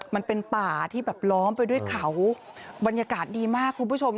มันเป็นป่าที่แบบล้อมไปด้วยเขาบรรยากาศดีมากคุณผู้ชม